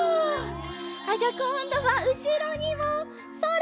じゃあこんどはうしろにもそれ！